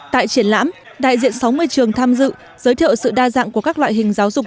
tại triển lãm đại diện sáu mươi trường tham dự giới thiệu sự đa dạng của các loại hình giáo dục